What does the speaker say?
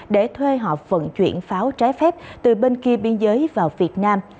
để thuê họ vận chuyển pháo trái phép từ bên kia biên giới vào việt nam